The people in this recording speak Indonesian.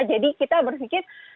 jadi kita berpikir